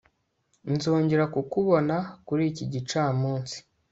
nzongera kukubona kuri iki gicamunsi